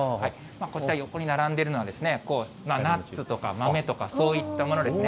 こちら、横に並んでいるのは、ナッツとか、豆とか、そういったものですね。